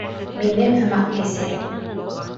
Минең һымаҡ кесе.